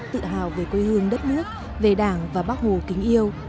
tự hào về quê hương đất nước về đảng và bác hồ kính yêu